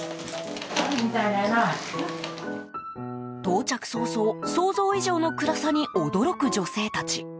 到着早々想像以上の暗さに驚く女性たち。